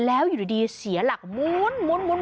แล้วอยู่ดีเสียหลักมุน